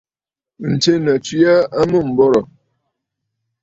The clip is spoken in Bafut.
Ǹtsena tswe aa amûm m̀borǝ̀.